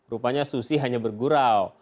rupanya susi hanya bergurau